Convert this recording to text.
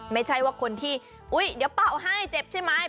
ไม่ใช่ว่าคนที่อุ๊ยเดี๋ยวเป่าให้เจ็บใช่ไหม